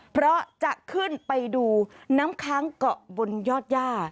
เพราะจะขึ้นไปดูน้ำค้างเกาะบนยอดย่า